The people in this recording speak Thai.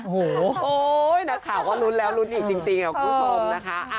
โอ้โหนักข่าวก็ลุ้นแล้วลุ้นอีกจริงคุณผู้ชมนะคะ